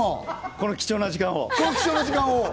この貴重な時間を？